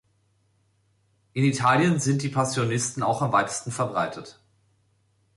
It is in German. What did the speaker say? In Italien sind die Passionisten auch am weitesten verbreitet.